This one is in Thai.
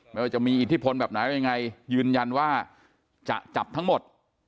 ว่าจะมีอิทธิพลแบบไหนอะไรยังไงยืนยันว่าจะจับทั้งหมด